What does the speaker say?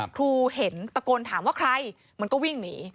ครูเห็นตะโกนถามว่าใครมันก็วิ่งหนี